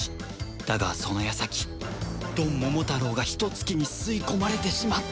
だがその矢先ドンモモタロウがヒトツ鬼に吸い込まれてしまった